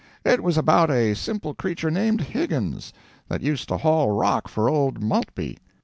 "It was about a simple creature named Higgins, that used to haul rock for old Maltby.